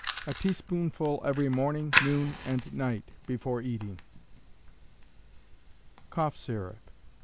A teaspoonful every morning, noon and night, before eating. _Cough Syrup.